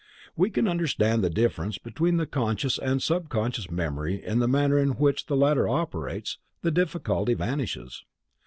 When we understand the difference between the conscious and sub conscious memory and the manner in which the latter operates, the difficulty vanishes.